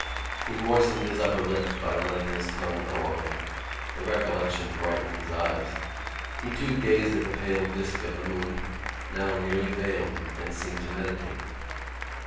He moistened his upper lip by running his tongue along it. The recollection brightened his eyes. He too gazed at the pale disc of the moon, now nearly veiled, and seemed to meditate.